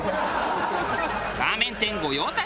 ラーメン店御用達。